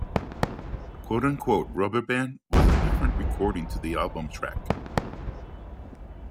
"Rubber Band" was a different recording to the album track.